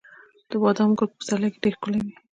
د بادامو ګل په پسرلي کې ډیر ښکلی وي.